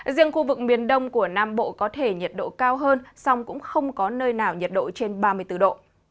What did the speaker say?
riêng khu vực miền đông của nam bộ có thể nhiệt độ cao hơn song cũng không có nơi nào nhiệt độ trên ba mươi bốn độ